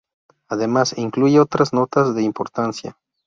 Además, incluye otras notas de importancia.